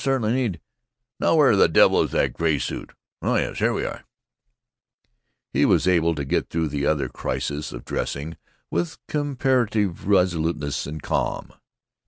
"Well, they certainly need Now where the devil is that gray suit? Oh, yes, here we are." He was able to get through the other crises of dressing with comparative resoluteness and calm.